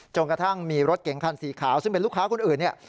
กระทั่งมีรถเก๋งคันสีขาวซึ่งเป็นลูกค้าคนอื่นเนี่ย